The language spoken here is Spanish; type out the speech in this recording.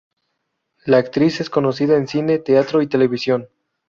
La actriz es conocida en cine, teatro y televisión.